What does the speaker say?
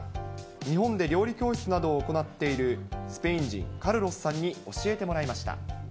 日本で料理教室などを行っているスペイン人、カルロスさんに教えてもらいました。